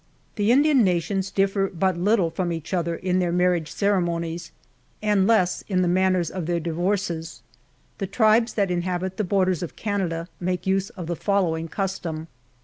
The Indian nations differ but little from each other in their marriage ceremonies, and less in the manners of their divor ces. The tribes that inhabit the borders of Canada, make use of the follow ing custom.